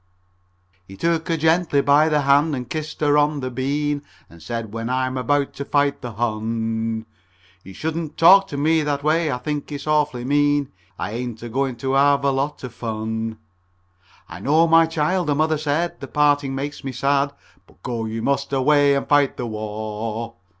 He took her gently by the hand and kissed her on the bean And said, "When I'm about to fight the Hun You shouldn't talk to me that way; I think it's awfully mean I ain't agoin' to have a lot of fun." "I know, my child," the mother said. "The parting makes me sad, But go you must away and fight the war.